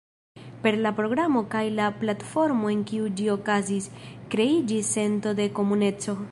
Per la programo kaj la platformo en kiu ĝi okazis, kreiĝis sento de komuneco.